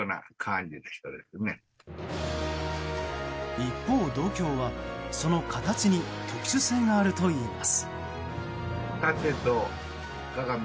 一方、銅鏡はその形に特殊性があるといいます。